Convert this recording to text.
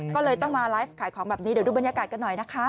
ก็เลยต้องมาไลฟ์ขายของแบบนี้เดี๋ยวดูบรรยากาศกันหน่อยนะคะ